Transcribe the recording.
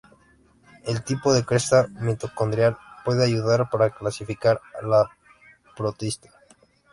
El tipo de cresta mitocondrial puede ayudar para clasificar a los protistas.